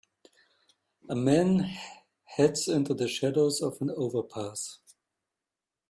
A man heads into the shadows of an overpass.